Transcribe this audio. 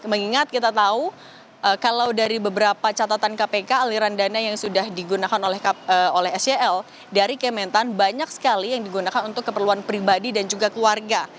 mengingat kita tahu kalau dari beberapa catatan kpk aliran dana yang sudah digunakan oleh sel dari kementan banyak sekali yang digunakan untuk keperluan pribadi dan juga keluarga